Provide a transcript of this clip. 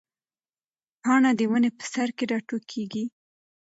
پاڼه د ونې په سر کې راټوکېږي.